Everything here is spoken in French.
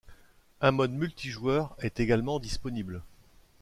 Un mode multijoueur est également disponible.